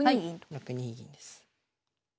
はい６二銀です。